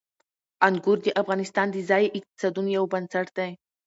انګور د افغانستان د ځایي اقتصادونو یو بنسټ دی.